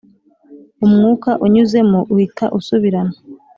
umwuka unyuzemo uhita usubirana,